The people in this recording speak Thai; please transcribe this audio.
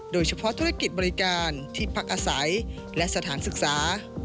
โดยเฉพาะธุรกิจบริการที่พักอาศัยและสถานศึกษา